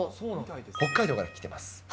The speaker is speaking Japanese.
北海道から来てます。